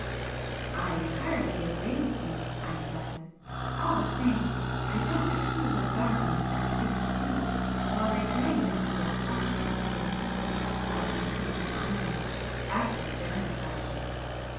"I entirely agree with you," I said "All the same I don't approve of Governments that preach peace while they drain the people's pockets for the purpose of increasing armaments, after the German fashion.